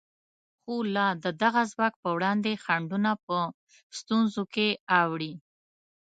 خو لا د دغه واک په وړاندې خنډونه په ستونزو کې اوړي.